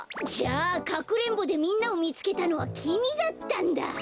じゃあかくれんぼでみんなをみつけたのはきみだったんだ。